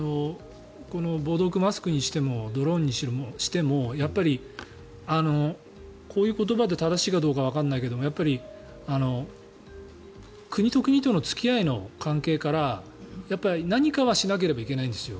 防毒マスクにしてもドローンにしてもこういう言葉で正しいかどうかわからないけれどやっぱり国と国との付き合いの関係から何かはしなければいけないんですよ。